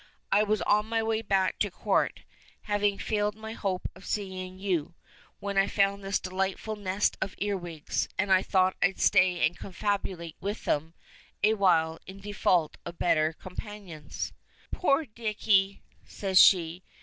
I was on my way back to the Court, having failed in my hope of seeing you, when I found this delightful nest of earwigs, and thought I'd stay and confabulate with them a while in default of better companions." "Poor Dicky!" says she.